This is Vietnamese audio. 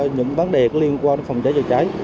những vấn đề liên quan phòng cháy chữa cháy